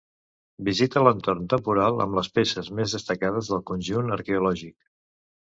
Visita l'entorn temporal amb les peces més destacades del conjunt arqueològic.